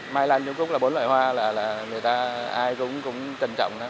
mai lan nhu cúc là bốn loại hoa là người ta ai cũng trân trọng nó